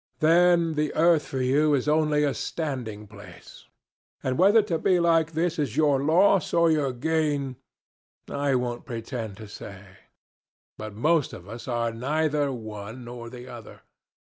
Then the earth for you is only a standing place and whether to be like this is your loss or your gain I won't pretend to say. But most of us are neither one nor the other.